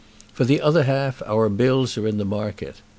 For the other half our bills are in the market.